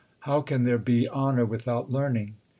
How can there be honour without learning?